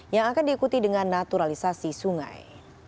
yang akan diikuti dengan naturalisasi sungai